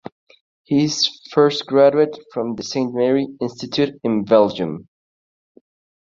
He first graduated from the Sainte Marie Institute in Belgium.